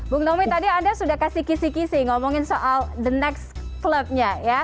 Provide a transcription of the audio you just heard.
bang tommy tadi anda sudah kasih kisih kisih ngomongin soal the next club nya ya